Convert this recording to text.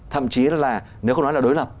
thậm chí là nếu không nói là đối lập